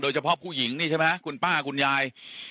เฉพาะผู้หญิงนี่ใช่ไหมคุณป้าคุณยาย